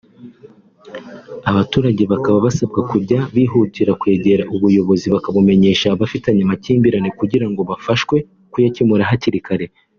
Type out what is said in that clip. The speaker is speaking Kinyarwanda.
Abaturage bakaba basabwa kujya bihutira kwegera Ubuyobozi bakabumenyesha abafitanye amakimbirane kugira ngo bafashwe kuyakemura hakiri kare